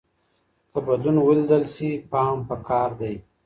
که بدلون ولیدل شي پام پکار دی.